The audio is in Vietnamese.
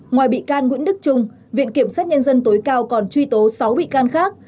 ngoài bị can nguyễn đức trung viện kiểm sát nhân dân tối cao còn truy tố sáu bị can khác